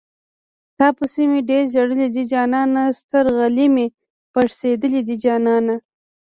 تاپسې مې ډېر ژړلي دي جانانه سترغلي مې پړسېدلي دي جانانه